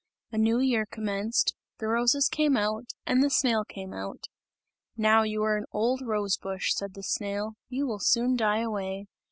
A new year commenced; the roses came out, and the snail came out. "Now you are an old rose bush," said the snail, "you will soon die away.